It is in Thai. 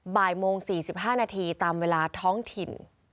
บ่ายโมง๔๕นาทีตามเวลาท้องถิ่น